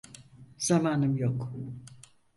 Zamanım yok.